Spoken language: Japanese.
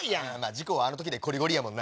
事故はあの時でこりごりやんな。